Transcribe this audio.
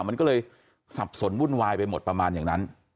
มันก็เลยสับสนวุ่นวายไปหมดประมาณอย่างนั้น